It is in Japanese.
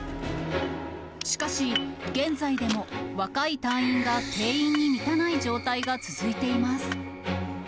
しかし、現在でも若い隊員が定員に満たない状態が続いています。